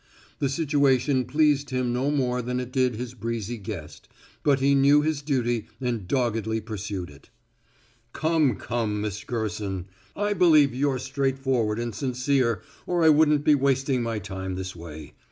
The situation pleased him no more than it did his breezy guest, but he knew his duty and doggedly pursued it. "Come come, Miss Gerson! I believe you're straightforward and sincere or I wouldn't be wasting my time this way.